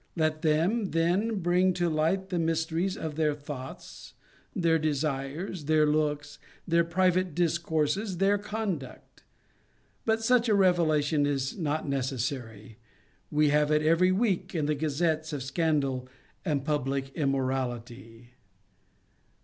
Let them, then, bring to light the mysteries of their thoughts, their desires, their looks, their private discourses, their conduct. But such a revelation is not neces sary; we have it every week in the gazettes of scandal and public immorality.